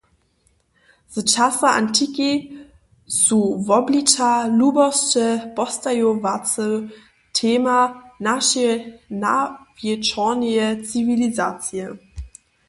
Z časa antiki su wobliča lubosće postajowacy tema našeje nawječorneje ciwilizacije.